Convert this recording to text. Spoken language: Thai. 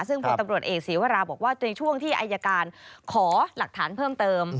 ซึ่งพลตำรวจเอกศีวราบอกว่าในช่วงที่อายการขอหลักฐานเพิ่มเติม